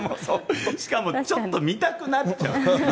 しかもちょっと見たくなっちゃう。